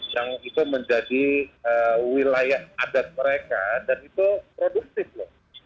yang itu menjadi wilayah adat mereka dan itu produktif loh